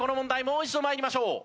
もう一度参りましょう。